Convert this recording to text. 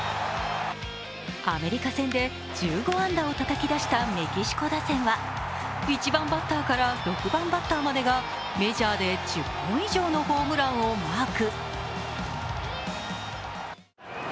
アメリカ戦で１５安打をたたき出したメキシコ打線は１番バッターから６番バッターまでがメジャーで１０本以上のホームランをマーク。